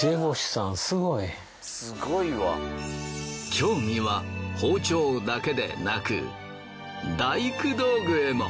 興味は包丁だけでなく大工道具へも。